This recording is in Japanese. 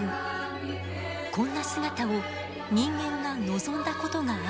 こんな姿を人間が望んだことがあるでしょうか？